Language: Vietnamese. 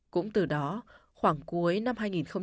cũng từ đó khoảng cuối năm hai nghìn một mươi tám